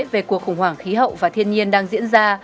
về cuộc khủng hoảng khí hậu và thiên nhiên đang diễn ra